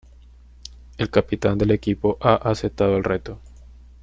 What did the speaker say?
El capitán del equipo ha aceptado el reto.